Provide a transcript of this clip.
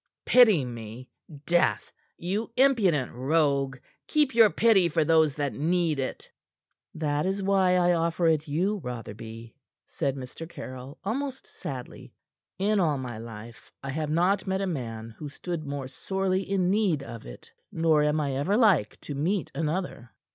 "Pity me? Death! You impudent rogue! Keep your pity for those that need it." "That is why I offer it you, Rotherby," said Mr. Caryll, almost sadly. "In all my life, I have not met a man who stood more sorely in need of it, nor am I ever like to meet another."